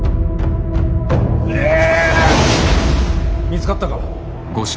見つかったか。